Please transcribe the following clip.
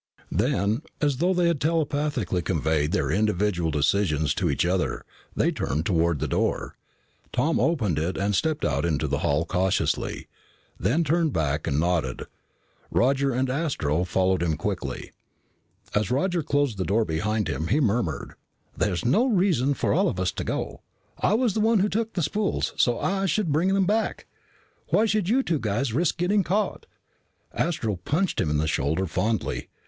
Then, as though they had telepathically conveyed their individual decisions to each other, they turned toward the door. Tom opened it and stepped out into the hall cautiously, then turned back and nodded. Roger and Astro followed him quickly. As Roger closed the door behind him, he murmured, "There's no reason for all of us to go. I was the one who took the spools, so I should bring them back. Why should you two guys risk getting caught?" Astro punched him in the shoulder fondly.